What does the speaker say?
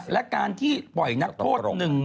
และการที่ปล่อยนักโทษ